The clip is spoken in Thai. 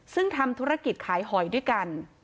ซึ่งทำธุรกิจขายหอยด้วยกัน